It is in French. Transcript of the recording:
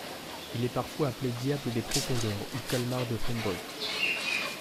Il est parfois appelé diable des profondeurs ou calmar de Humboldt.